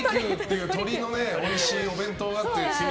鶏のおいしいお弁当があって。